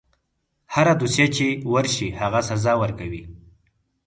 هره دوسیه چې ورشي هغه سزا ورکوي.